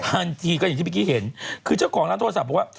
ทันทีก็อย่างที่เมื่อกี้เห็นคือเจ้าของร้านโทรศัพท์บอกว่า